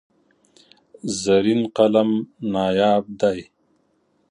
زرین قلم نایاب دی.